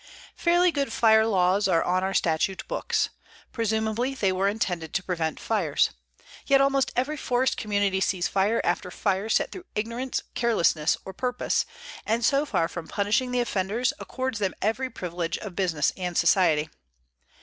Fairly good fire laws are on our statute books. Presumably they were intended to prevent fires. Yet almost every forest community sees fire after fire set through ignorance, carelessness or purpose, and so far from punishing the offenders accords them every privilege of business and society.